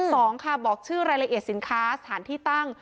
สองค่ะบอกชื่อรายละเอียดสินค้าสถานที่ตั้ง